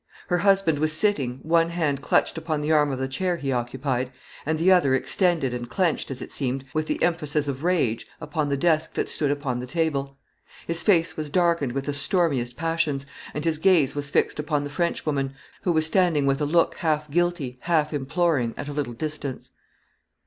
Her husband was sitting, one hand clutched upon the arm of the chair he occupied, and the other extended, and clenched, as it seemed, with the emphasis of rage, upon the desk that stood upon the table. His face was darkened with the stormiest passions, and his gaze was fixed upon the Frenchwoman, who was standing with a look half guilty, half imploring, at a little distance.